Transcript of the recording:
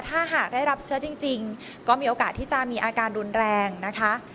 ถ้าหากได้รับเชื้อจริงก็มีโอกาสที่จะมีอาการรุนแรงนะคะ